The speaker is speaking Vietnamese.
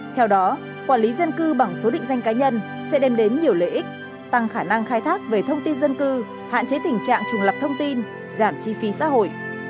theo đó quản lý dân cư bằng số định danh cá nhân sẽ đem đến nhiều lợi ích tăng khả năng khai thác về thông tin dân cư hạn chế tình trạng trùng lập thông tin giảm chi phí xã hội